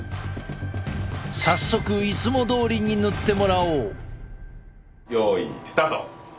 早速いつもどおりに塗ってもらおう。